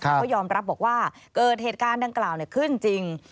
เขายอมรับบอกว่าเกิดเหตุการณ์ดังกล่าวขึ้นจริง